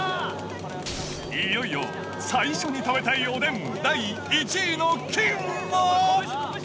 いよいよ最初に食べたいおでん第１位の金は。